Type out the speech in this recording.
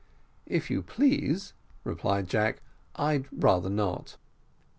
"If you please," replied Jack, "I'd rather not."